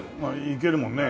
いけるもんね。